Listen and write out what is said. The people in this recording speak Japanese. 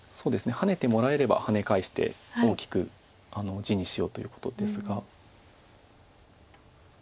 ハネてもらえればハネ返して大きく地にしようということですが。